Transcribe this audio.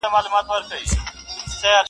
چي په فکر کي دي نه راځي پېښېږي؛